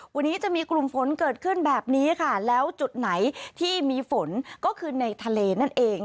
วันนี้จะมีกลุ่มฝนเกิดขึ้นแบบนี้ค่ะแล้วจุดไหนที่มีฝนก็คือในทะเลนั่นเอง